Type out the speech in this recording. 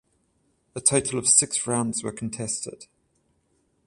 A total of six rounds were contested.